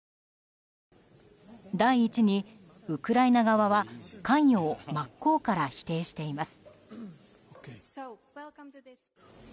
第一にウクライナ側は関与を真っ向から否定しています。